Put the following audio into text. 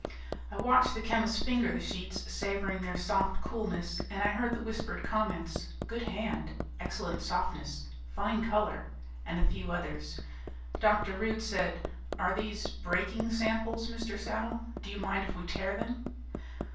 I watched the chemists finger the sheets, savoring their soft coolness, and I heard the whispered comments, "good hand," "excellent softness," "fine color," and a few others. Dr. Rude said, "Are these 'breaking samples', Mr. Saddle? Do you mind if we tear them?"